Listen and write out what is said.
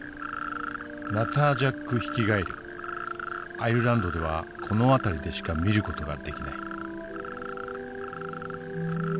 アイルランドではこの辺りでしか見る事ができない。